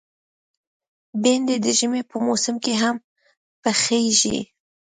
بېنډۍ د ژمي په موسم کې هم پخېږي